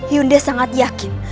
yunda sangat yakin